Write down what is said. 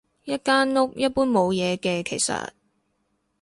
一間屋，一般冇嘢嘅其實